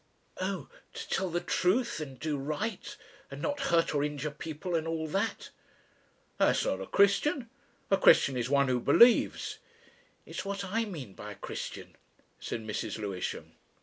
"Oh! to tell the truth, and do right, and not hurt or injure people and all that." "That's not a Christian. A Christian is one who believes." "It's what I mean by a Christian," said Mrs. Lewisham.